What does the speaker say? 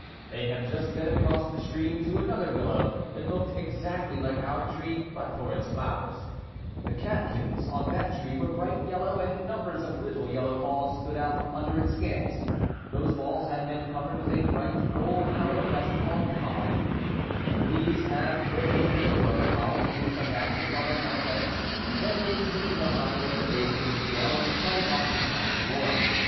They had just been across the stream to another willow. It looked exactly like our tree but for its flowers. The catkins ^ witTstamen" 4. The Staminate Catkin. % f 3. Catkins OP Black Willow. lO on that tree were bright yellow and numbers of little yellow balls stood out from under its scales. L Those balls had been covered with a bright gold colored dust called pollen {Figures 4 and 5). The bees had put a little of the pollen into some baskets on their hind legs. Then they sipped the honey at the base of the scale and started off to find some more.